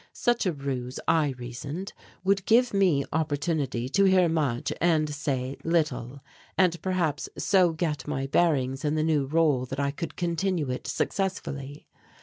Such a ruse, I reasoned, would give me opportunity to hear much and say little, and perhaps so get my bearings in the new rôle that I could continue it successfully.